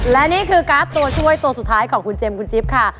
และนี่คือการ์ดตัวช่วยตัวสุดท้ายของคุณเจมส์คุณจิ๊บค่ะ